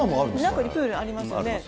中にプールありますよね。